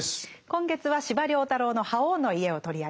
今月は司馬太郎の「覇王の家」を取り上げています。